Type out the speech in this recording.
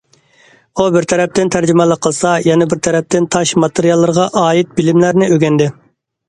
ئۇ بىر تەرەپتىن، تەرجىمانلىق قىلسا، يەنە بىر تەرەپتىن، تاش ماتېرىياللىرىغا ئائىت بىلىملەرنى ئۆگەندى.